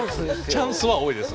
チャンスは多いです